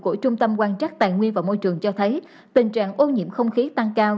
của trung tâm quan trắc tài nguyên và môi trường cho thấy tình trạng ô nhiễm không khí tăng cao